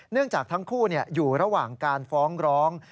จากทั้งคู่อยู่ระหว่างการฟ้องร้อง